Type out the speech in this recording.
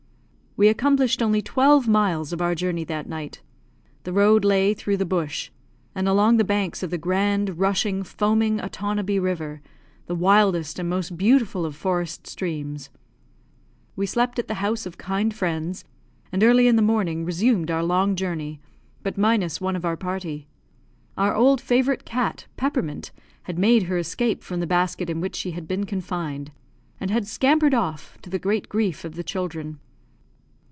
We accomplished only twelve miles of our journey that night. The road lay through the bush, and along the banks of the grand, rushing, foaming Otonabee river, the wildest and most beautiful of forest streams. We slept at the house of kind friends, and early in the morning resumed our long journey, but minus one of our party. Our old favourite cat, Peppermint, had made her escape from the basket in which she had been confined, and had scampered off, to the great grief of the children.